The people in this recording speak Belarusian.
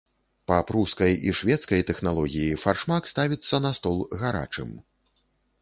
Па прускай і шведскай тэхналогіі фаршмак ставіцца на стол гарачым.